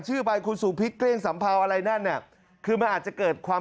ชื่อไปคุณสุพิษเกลี้ยสัมเภาอะไรนั่นน่ะคือมันอาจจะเกิดความ